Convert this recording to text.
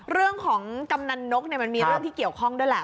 กำนันนกมันมีเรื่องที่เกี่ยวข้องด้วยแหละ